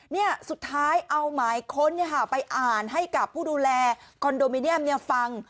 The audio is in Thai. เนี่ยสุดท้ายเอาหมายค้นไปอ่านให้กับผู้ดูแลคอนโดมิเนียมฟัง